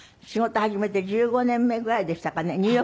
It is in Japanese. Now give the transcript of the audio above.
仕事を始めて１５年目ぐらいでしたかね。